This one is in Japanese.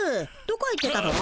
どこ行ってたの？